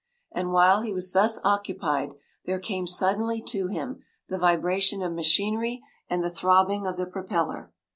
And while he was thus occupied there came suddenly to him the vibration of machinery and the throbbing of the propeller.